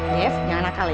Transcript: dev jangan nakal ya